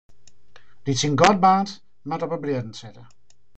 Dy't syn gat baarnt, moat op 'e blierren sitte.